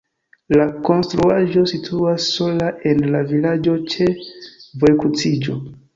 La konstruaĵo situas sola en la vilaĝo ĉe vojkruciĝo.